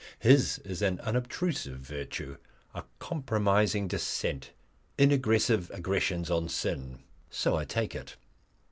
His is an unobtrusive virtue, a compromising dissent, inaggressive aggressions on sin. So I take it.